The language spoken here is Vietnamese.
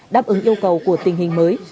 đáp ứng yêu cầu của tình hình mới